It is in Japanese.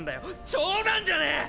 冗談じゃねぇ！！